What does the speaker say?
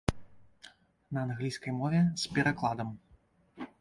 На англійскай мове з перакладам.